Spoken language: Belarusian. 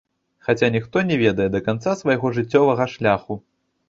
Хаця ніхто не ведае да канца свайго жыццёвага шляху.